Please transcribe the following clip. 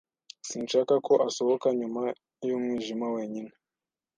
Sinshaka ko asohoka nyuma y'umwijima wenyine.